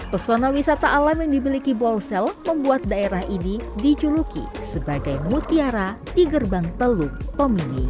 pesona wisata alam yang dimiliki bolsel membuat daerah ini dijuluki sebagai mutiara di gerbang teluk pemini